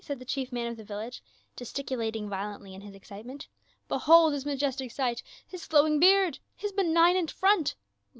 said the chief man of the village, gesticulating violently in his excitement. " Be hold his majestic height, his flowing beard, his benig nant front.